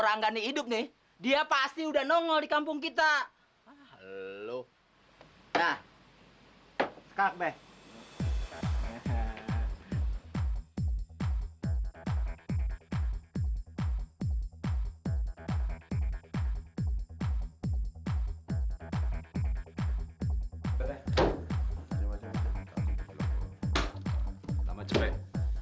ranggani hidup nih dia pasti udah nongol di kampung kita lho hai nah hai kak bek